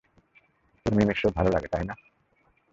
তোর মিমির শো ভালো লাগে, তাই না?